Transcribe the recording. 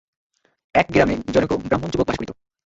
এক গ্রামে জনৈক ব্রাহ্মণ যুবক বাস করিত।